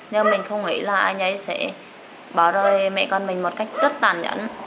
nhưng mình không nghĩ là anh ấy sẽ bỏ rời mẹ con mình một cách rất tản nhẫn